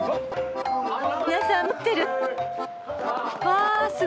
皆さん見守ってる。